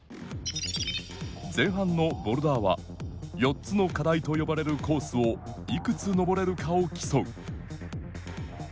前半のボルダーは４つの課題と呼ばれるコースをいくつ登れるかを競う。